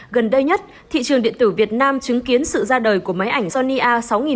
gần đây nhất thị trường điện tử việt nam chứng kiến sự ra đời của máy ảnh sony a sáu nghìn bốn trăm linh